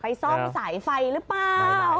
ซ่อมสายไฟหรือเปล่า